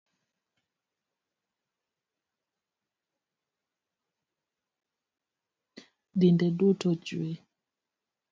Dinde duto jiw